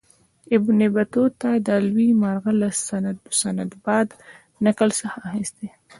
ابن بطوطه دا لوی مرغه له سندباد نکل څخه اخیستی.